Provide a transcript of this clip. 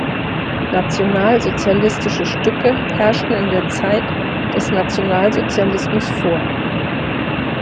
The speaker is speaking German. Nationalsozialistische Stücke herrschten in der Zeit des Nationalsozialismus vor.